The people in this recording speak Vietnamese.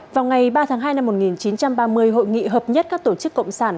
vào ngày ba tháng hai năm một nghìn chín trăm ba mươi hội nghị hợp nhất các tổ chức cộng sản